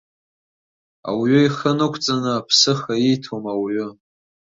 Ауаҩы ихы нықәҵаны аԥсыха ииҭом ауаҩы.